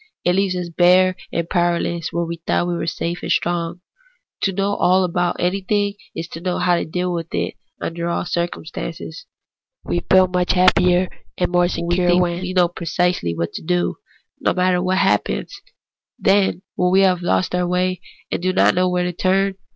It leaves us bare and powerless where we thought that we were safe and strong. To know all about anything is to know how to deal with it under all circumstances. 184 THE ETHICS OF BELIEF. We feel miicli happier and more secure when we thhik we know precisely what to do, no matter what happens, than when we have lost our way and do not know where to turn.